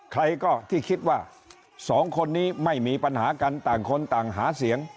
ใครก็ที่คิดว่าสองคนนี้ไม่มีปัญหากันต่างคนต่างหาเสียง